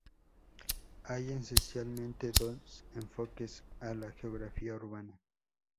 Hay esencialmente dos enfoques a la geografía urbana.